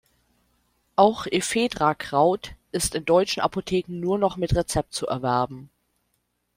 Auch Ephedra-Kraut ist in deutschen Apotheken nur noch mit Rezept zu erwerben.